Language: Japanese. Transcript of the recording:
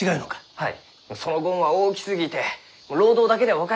はい。